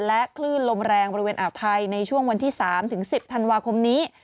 และคลื่นลมแรงบริเวณอ่าวไทยในช่วงวันที่๓๑๐ธันวาคมนี้